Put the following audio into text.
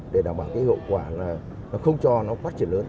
để đảm bảo hậu quả không cho nó phát triển lớn